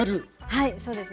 はいそうですね。